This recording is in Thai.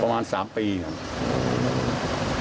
ประมาณ๓ปีครับ